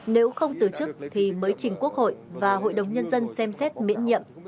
nếu không từ chức thì mới trình quốc hội và hội đồng nhân dân xem xét miễn nhiệm